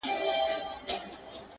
اوس مي د زړه پر تكه سپينه پاڼه.